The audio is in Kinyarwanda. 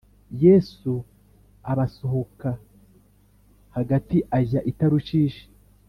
Yesu Abasohoka hagati ajya itarushishi